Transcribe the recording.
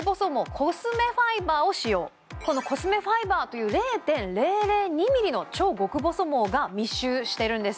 このコスメファイバーという０．００２ｍｍの超極細毛が密集してるんです